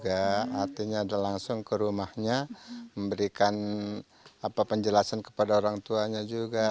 artinya langsung ke rumahnya memberikan penjelasan kepada orang tuanya juga